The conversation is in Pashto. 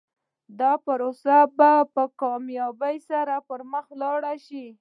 دا پروسه به په کامیابۍ سره پر مخ لاړه شي.